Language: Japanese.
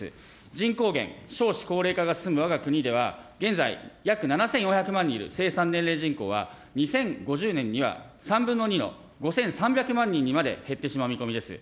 人口減、少子高齢化が進むわが国では、現在、約７４００万人いる生産年齢人口は２０５０年には３分の２の５３００万人にまで減ってしまう見込みです。